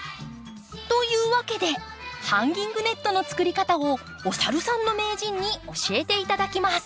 というわけでハンギングネットの作り方をおさるさんの名人に教えて頂きます。